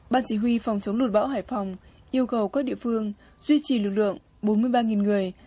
ban chỉ huy phòng chống lụt bão hải phòng yêu cầu các địa phương duy trì lực lượng bốn mươi ba người